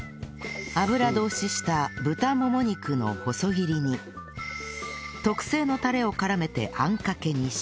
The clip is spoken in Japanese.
油通しした豚もも肉の細切りに特製のタレを絡めてあんかけにし